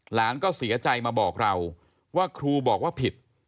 หลานก็เสียใจมาบอกเราว่าครูบอกว่าผิด